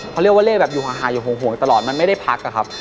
เพราะเลือกว่าเลขอยู่ห่างห่างห่วงตลอดมันไม่ได้พักครับ